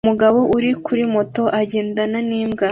Umugabo uri kuri moto agendana n'imbwa